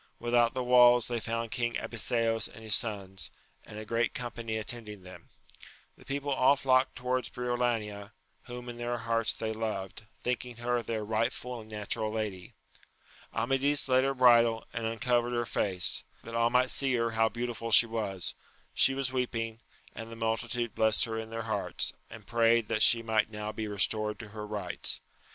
Without the walls they found King Abiseos and his sons, and a great com pany attending them : the people all flocked towards Briolania, whom in their hearts they loved, thinking her their rightful and natural lady. Amadis led her bridle, and uncovered her face,* that all might see her how beautiful she was : she was weeping, and the multitude blessed her in their hearts, and prayed that she might now be restored to her rights.